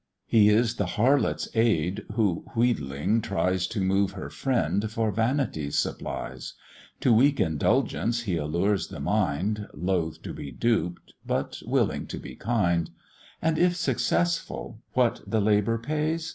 He is the harlot's aid, who wheedling tries To move her friend for vanity's supplies; To weak indulgence he allures the mind, Loth to be duped, but willing to be kind; And if successful what the labour pays?